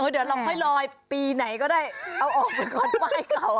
เดี๋ยวเราค่อยลอยปีไหนก็ได้เอาออกไปก่อนไหว้เขา